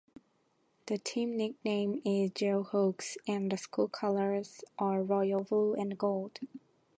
The team nickname is "Jayhawks" and the school colors are Royal Blue and Gold.